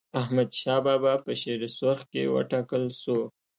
احمدشاه بابا په شیرسرخ کي و ټاکل سو.